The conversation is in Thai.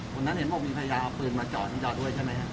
คนนั้นเห็นบอกว่ามีพยายามเอาปืนมาจอดูด้วยใช่ไหมครับ